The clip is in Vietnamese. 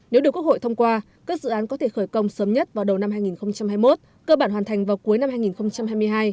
nếu được quốc hội thông qua các dự án có thể khởi công sớm nhất vào đầu năm hai nghìn hai mươi một cơ bản hoàn thành vào cuối năm hai nghìn hai mươi hai